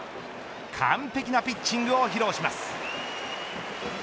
完璧なピッチングを披露します。